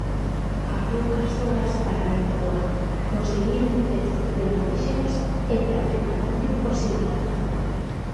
A poucas horas para a Noiteboa, conseguir un test de antíxenos é practicamente imposible.